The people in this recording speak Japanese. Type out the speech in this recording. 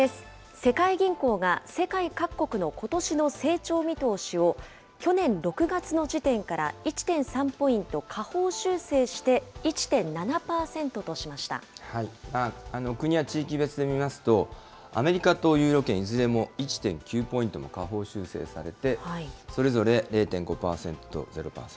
世界銀行が世界各国のことしの成長見通しを、去年６月の時点から１．３ポイント下方修正して１．７％としまし国や地域別で見ますと、アメリカとユーロ圏、いずれも１．９ポイントの下方修正されて、それぞれ０．５％、０％。